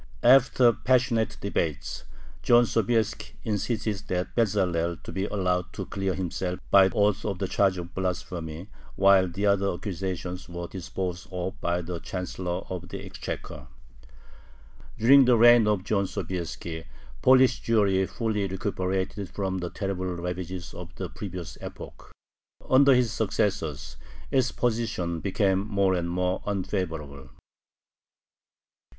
After passionate debates, John Sobieski insisted that Bezalel be allowed to clear himself by oath of the charge of blasphemy, while the other accusations were disposed of by the chancellor of the exchequer. During the reign of John Sobieski Polish Jewry fully recuperated from the terrible ravages of the previous epoch. Under his successors its position became more and more unfavorable.